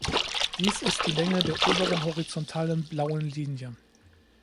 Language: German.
Dies ist die Länge der oberen horizontalen blauen Linie.